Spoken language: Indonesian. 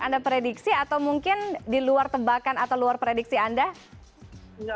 anda prediksi atau mungkin di luar tebakan atau luar prediksi anda